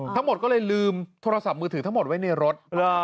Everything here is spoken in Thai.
ทั้งหมดก็เลยลืมโทรศัพท์มือถือทั้งหมดไว้ในรถ